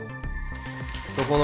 そこの。